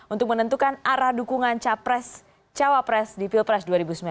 untuk menentukan arah dukungan capres cawapres di pilpres dua ribu sembilan belas